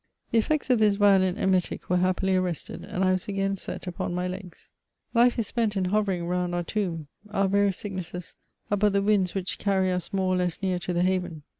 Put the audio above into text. The effects of this violent emetic were happily arrested, and I was again set upon my legs. Life is spent in hovering round our tomb. Our various sicknesses are but the winds which carry us more or less near to the hav^i.